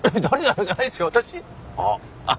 あっ！